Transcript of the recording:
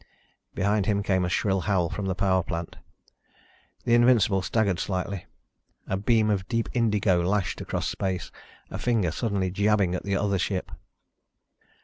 Behind him came a shrill howl from the power plant. The Invincible staggered slightly. A beam of deep indigo lashed across space, a finger suddenly jabbing at the other ship.